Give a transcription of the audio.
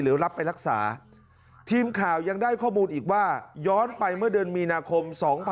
รับไปรักษาทีมข่าวยังได้ข้อมูลอีกว่าย้อนไปเมื่อเดือนมีนาคม๒๕๖๒